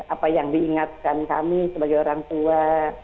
apa yang diingatkan kami sebagai orang tua